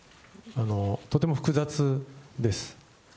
とても複雑です。